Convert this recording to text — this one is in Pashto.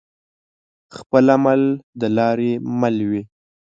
خپل عمل دلاري مل وي